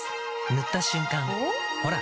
塗った瞬間おっ？